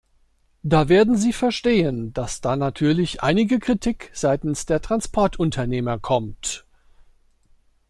Da werden Sie verstehen, dass da natürlich einige Kritik seitens der Transportunternehmer kommt.